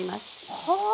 はあ！